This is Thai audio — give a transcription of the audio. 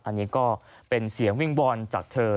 อันนี้ก็เป็นเสียงวิ่งวอนจากเธอ